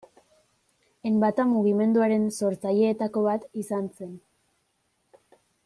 Enbata mugimenduaren sortzaileetako bat izan zen.